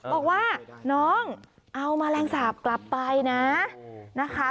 บอกว่าน้องเอาแมลงสาปกลับไปนะนะคะ